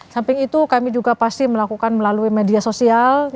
samping itu kami juga pasti melakukan melalui media sosial